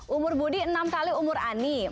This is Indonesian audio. umur budi enam kali umur anies